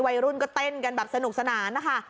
วัยรุ่นก็เต้นกันแบบสนุกสนานนะคะ